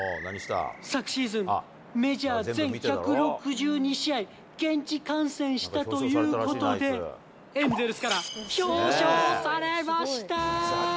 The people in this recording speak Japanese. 昨シーズン、メジャー全１６２試合、現地観戦したということで、エンゼルスから表彰されました！